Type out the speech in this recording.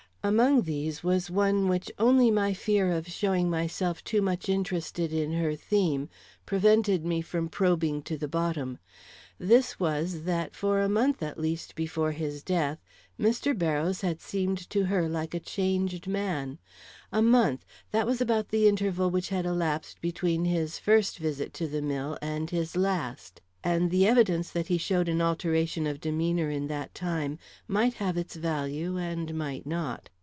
Among these was one which only my fear of showing myself too much interested in her theme prevented me from probing to the bottom. This was, that for a month at least before his death Mr. Barrows had seemed to her like a changed man. A month that was about the interval which had elapsed between his first visit to the mill and his last; and the evidence that he showed an alteration of demeanor in that time might have its value and might hot.